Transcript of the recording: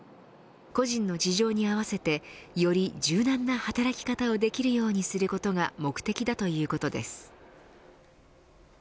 個人の事情に合わせてより柔軟な働き方をできるようにすることが目的だということです。